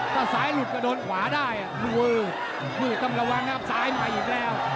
ถ้าซ้ายหลุดก็โดนขวาได้อื้ออื้อต้องระวังนะครับซ้ายมันไปอีกแล้ว